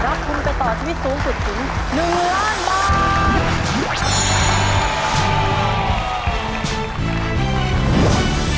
ทุนไปต่อชีวิตสูงสุดถึง๑ล้านบาท